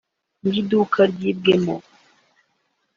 nyir’iduka ryibwemo